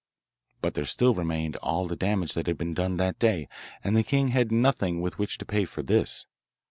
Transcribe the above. But there still remained all the damage that had been done that day, and the king had nothing with which to pay for this.